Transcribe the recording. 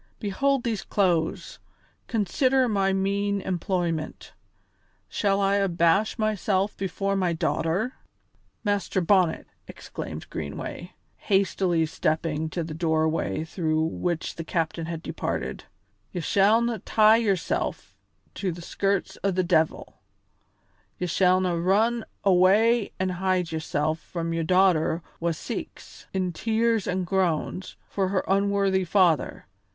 Behold these clothes, consider my mean employment. Shall I abash myself before my daughter?" "Master Bonnet," exclaimed Greenway, hastily stepping to the doorway through which the captain had departed, "ye shallna tie yoursel' to the skirts o' the de'il; ye shallna run awa' an' hide yoursel' from your daughter wha seeks, in tears an' groans, for her unworthy father.